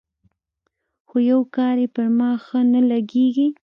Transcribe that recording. خو يو کار يې پر ما ښه نه لګېږي.